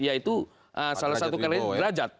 yaitu salah satu kali derajat